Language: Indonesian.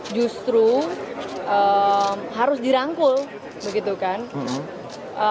justru harus dirangkul begitu kan